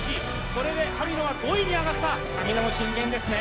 これで神野は５位に上がった神野も真剣ですね